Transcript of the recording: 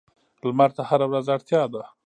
لمر ته هره ورځ اړتیا ده.